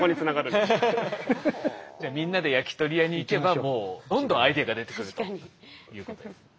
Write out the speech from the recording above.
じゃあみんなで焼き鳥屋に行けばもうどんどんアイデアが出てくるということですね。